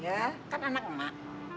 ya kan anak mak